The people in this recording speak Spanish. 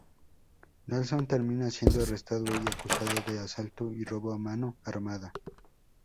Nelson termina siendo arrestado y acusado de asalto y robo a mano armada.